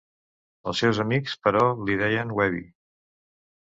Els seus amics, però, li deien Webby.